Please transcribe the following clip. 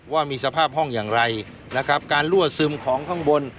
ว่ามีสภาพห้องอย่างไรนะครับการรั่วซึมของข้างบน